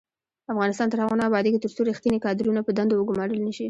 افغانستان تر هغو نه ابادیږي، ترڅو ریښتیني کادرونه په دندو وګمارل نشي.